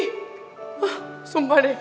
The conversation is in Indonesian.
hah sumpah deh